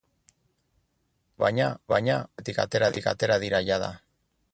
Lau, baina, ospitaletik atera dira jada.